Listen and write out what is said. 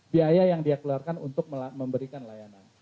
biaya yang dia keluarkan untuk memberikan layanan